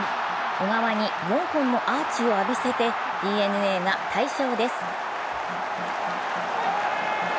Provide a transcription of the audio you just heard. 小川に４本のアーチを浴びせて、ＤｅＮＡが大勝です。